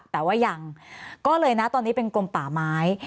แต่ว่ายังก็เลยนะตอนนี้เป็นกลมป่าไม้